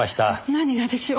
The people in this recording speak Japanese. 何がでしょう？